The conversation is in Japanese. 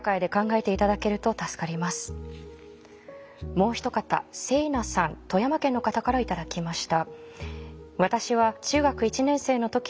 もう一方せいなさん富山県の方から頂きました。